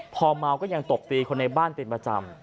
พอเมาก็ยังตบตีคนในบ้านเป็นประจำ